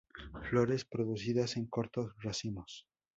Flores producidas en cortos racimos.